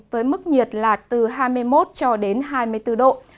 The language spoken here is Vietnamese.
với mức nhiệt là từ hai mươi một cho đến hai mươi bốn độ